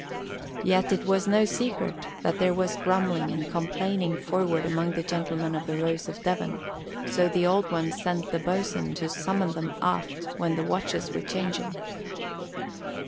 Yet it was no secret that there was grumbling and complaining forward among the gentlemen of the Rose of Devon, so the Old One sent the boatswain to summon them aft when the watches were changing.